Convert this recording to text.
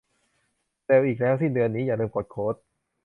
เซลอีกแล้ว สิ้นเดือนนี้ อย่าลืมกดโค้ด